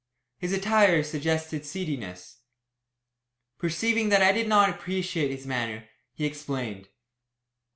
His attire suggested seediness. Perceiving that I did not appreciate his manner, he explained.